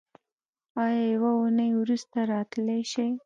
ایا یوه اونۍ وروسته راتلی شئ؟